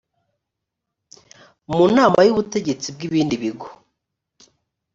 mu nama y ubutegetsi bw ibindi bigo